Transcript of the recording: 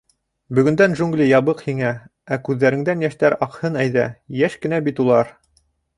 Бөгөндән джунгли ябыҡ һиңә, ә күҙҙәреңдән йәштәр аҡһын әйҙә, йәш кенә бит улар.